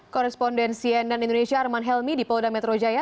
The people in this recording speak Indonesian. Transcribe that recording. korespondensi nn indonesia arman helmi di polda metro jaya